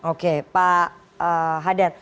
oke pak hadar